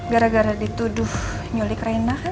gara gara dituduh nyulik reina kan